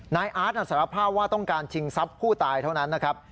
อาร์ตสารภาพว่าต้องการชิงทรัพย์ผู้ตายเท่านั้นนะครับ